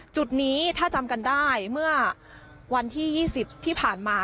จุดนี้ถ้าจำกันได้เมื่อวันที่๒๐ที่ผ่านมา